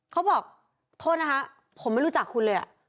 เขาบอกโทษนะคะผมไม่รู้จักคุณเลยอ่ะ